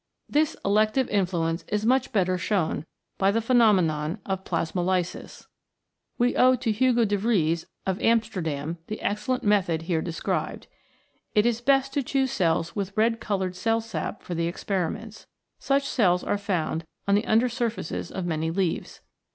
This elective influence is much better shown by the phenomenon of Plasmolysis. We owe to Hugo de Vries, of Amsterdam, the excellent method here described. It is best to choose cells with red coloured cell sap for the experiments. Such cells are found on the under surface of many leaves.